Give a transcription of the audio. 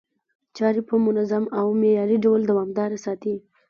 چاري په منظم او معياري ډول دوامداره ساتي،